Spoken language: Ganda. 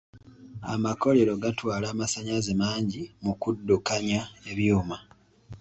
Amakolero gatwala amasanyalaze mangi mu kuddukanya ebyuma.